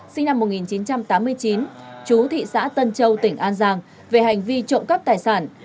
sinh năm một nghìn chín trăm tám mươi chín chú thị xã tân châu tỉnh an giang về hành vi trộm cắp tài sản